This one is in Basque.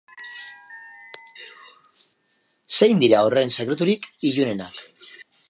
Zein dira horren sekreturik ilunenak?